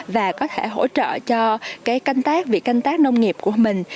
và có thể hỗ trợ cho cái canh tác việc canh tác nông nghiệp của mình